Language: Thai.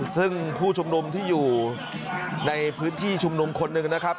ซึ่งผู้ชุมนุมที่อยู่ในพื้นที่ชุมนุมคนหนึ่งนะครับ